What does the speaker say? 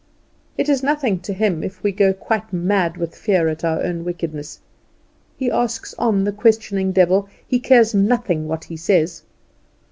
It is nothing to him if we go quite mad with fear at our own wickedness. He asks on, the questioning devil; he cares nothing what he says.